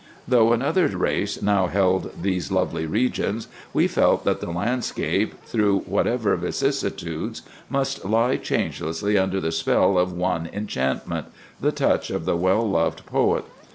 "Though another race now held these lovely regions, we felt that the landscape, through whatever vicissitudes, must lie changelessly under the spell of one enchantment,—the touch of the well loved poet.